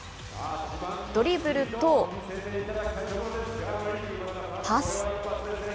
ドリブルとパス。